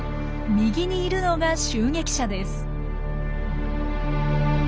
右にいるのが襲撃者です。